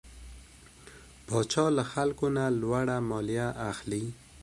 پاچا له خلکو نه لوړه ماليه اخلي .